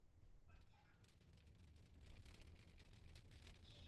Kutambua upole wa utendekezaji wa Lengo la Maendeleo ya Milenea